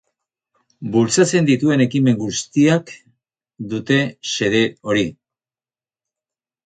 Bultzatzen dituen ekimen guztiak dute xede hori.